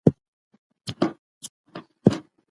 د پیسو ګټل سخت خو ساتل یې سخت دي.